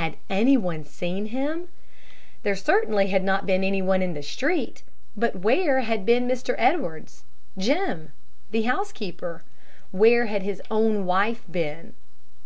Had any one seen him? There certainly had not been any one in the street, but where had been Mr. Edwards, Jim, the housekeeper? Where had his own wife been?